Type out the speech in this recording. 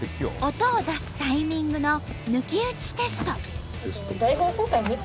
音を出すタイミングの抜き打ちテスト。